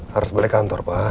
harus balik kantor pak